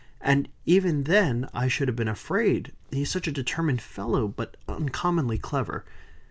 And even then I should have been afraid, he is such a determined fellow; but uncommonly clever.